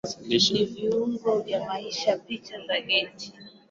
kuliko vile ilivyodhaniwa hapo awali Hatukujikwaa tu